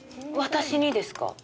私にですか？